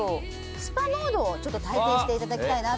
スパモードをちょっと体験していただきたいなと思います